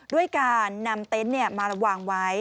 ด้วยการนำเต็นต์มาวางไว้